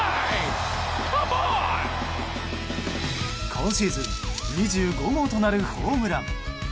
今シーズン２５号となるホームラン。